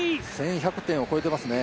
１１００点を超えていますね。